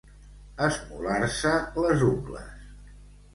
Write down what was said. Esmolar-se les ungles.